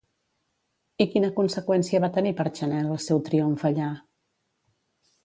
I quina conseqüència va tenir per Chanel el seu triomf allà?